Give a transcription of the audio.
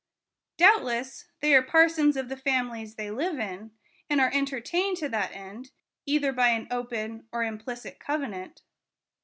Doubtless they are parsons of the families they live in, and are entertained to that end, either by an open or im plicit covenant.